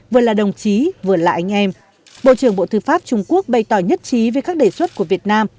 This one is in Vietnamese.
vừa là đồng chí vừa là anh em bộ trưởng bộ tư pháp trung quốc bày tỏ nhất trí về các đề xuất của việt nam